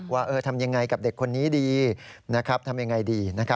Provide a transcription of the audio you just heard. ว่าทำยังไงกับเด็กคนนี้ดีทำอย่างไรดี